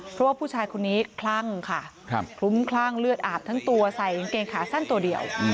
เพราะว่าผู้ชายคนนี้คลั่งค่ะคลุ้มคลั่งเลือดอาบทั้งตัวใส่กางเกงขาสั้นตัวเดียว